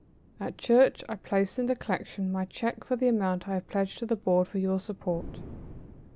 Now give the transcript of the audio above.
At church I placed in the collection my check for the amount I have pledged to the Board for your support."